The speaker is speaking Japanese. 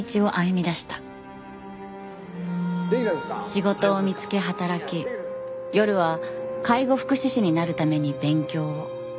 仕事を見つけ働き夜は介護福祉士になるために勉強を。